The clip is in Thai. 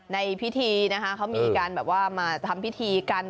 ในพิธีนะคะเขามีการแบบว่ามาทำพิธีกัน